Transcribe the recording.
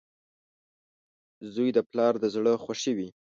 • زوی د پلار د زړۀ خوښي وي.